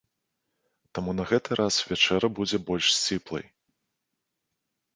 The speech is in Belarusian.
Таму на гэты раз вячэра будзе больш сціплай.